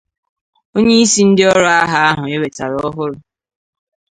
onyeisi ndị ọrụ agha ahụ e wetara ọhụrụ